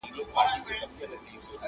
باز دي کم شهباز دي کم خدنګ دی کم!!